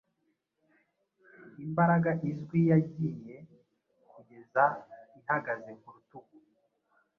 Imbaraga-izwi yagiye kugeza ihagaze ku rutugu